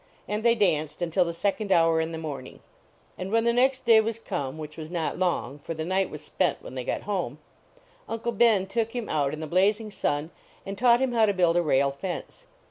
And they danced until the second hour in the morning. And when the next day was come which was not long, for the night was spent when they got home Uncle Ben took him out in the blazing sun and taught him how to build a rail fence.